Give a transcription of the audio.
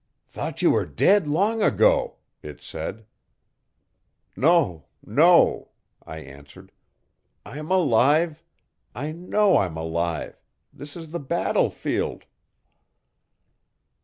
'Thought you were dead long ago,' it said. 'No, no,' I answered, 'I'm alive I know I'm alive this is the battlefield.